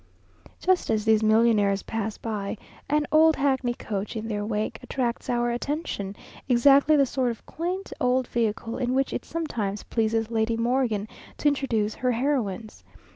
Just as these millionaires pass by, an old hackney coach in their wake, attracts our attention, exactly the sort of quaint old vehicle in which it sometimes pleases Lady Morgan to introduce her heroines.